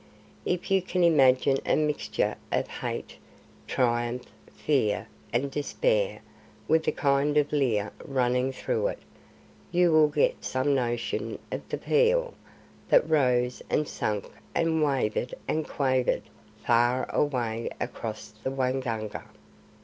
If you can imagine a mixture of hate, triumph, fear, and despair, with a kind of leer running through it, you will get some notion of the pheeal that rose and sank and wavered and quavered far away across the Waingunga.